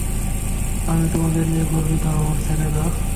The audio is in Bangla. আমি তোমাদের নিয়ে গর্বিত, আমার ছেলেরা!